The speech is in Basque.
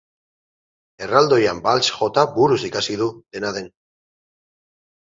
Erraldoian balts-jota buruz ikasi du, dena den.